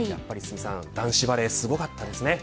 男子バレー、すごかったですね。